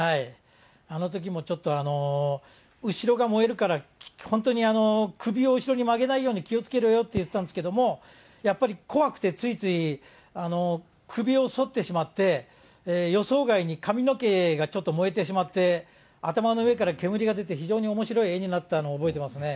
あのときもちょっと後ろが燃えるから、本当に、首を後ろに曲げないように気をつけろよって言ってたんですけれども、やっぱり怖くて、ついつい首を反ってしまって、予想外に髪の毛がちょっと燃えてしまって、頭の上から煙が出て、非常におもしろい絵になったのを覚えてますね。